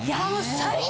最高！